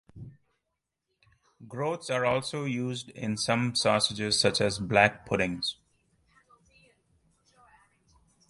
Groats are also used in some sausages such as black puddings.